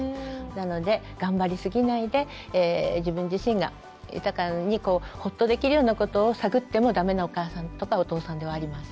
なので頑張りすぎないで自分自身が豊かにホッとできるようなことを探ってもダメなお母さんとかお父さんではありません。